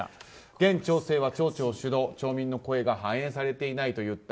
現町政は町長主導町民の声が反映されていないという訴え。